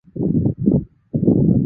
父亲袁。